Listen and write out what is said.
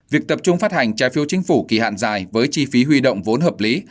việc tập trung phát hành trái phiếu chính phủ kỳ hạn dài với chi phí huy động vốn hợp lý